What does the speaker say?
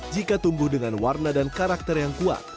jika tumbuh dengan warna dan karakter yang kuat